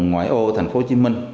ngoài ô thành phố hồ chí minh